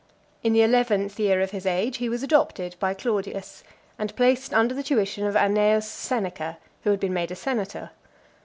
In the eleventh year of his age, he was adopted by Claudius, and placed under the tuition of Annaeus Seneca , who had been made a senator.